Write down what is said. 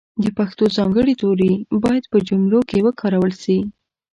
د پښتو ځانګړي توري باید په جملو کښې وکارول سي.